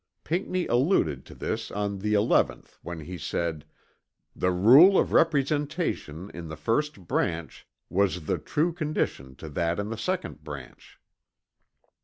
Pinckney alluded to this on the 11th when he said, "The rule of representation in the first branch was the true condition to that in the second branch."